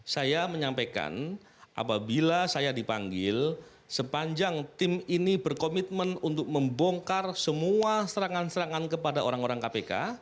saya menyampaikan apabila saya dipanggil sepanjang tim ini berkomitmen untuk membongkar semua serangan serangan kepada orang orang kpk